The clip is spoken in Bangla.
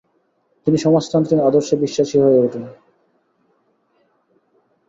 তিনি সমাজতান্ত্রিক আদর্শে বিশ্বাসী হয়ে উঠেন।